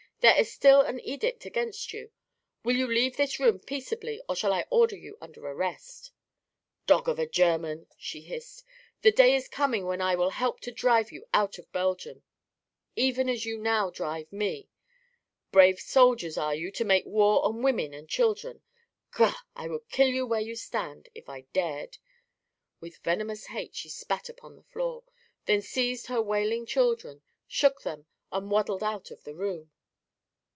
There is still an edict against you. Will you leave this room peaceably, or shall I order you under arrest?" "Dog of a German!" she hissed, "the day is coming when I will help to drive you out of Belgium, even as you now drive me. Brave soldiers are you, to make war on women and children. Guh! I would kill you where you stand if I dared." With venomous hate she spat upon the floor, then seized her wailing children, shook them and waddled out of the room.